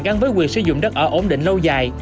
gắn với quyền sử dụng đất ở ổn định lâu dài